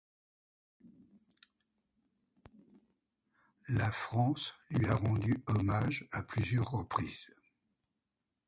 La France lui a rendu hommage à plusieurs reprises.